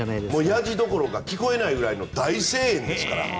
やじどころか聞こえないぐらいの大声援ですからね。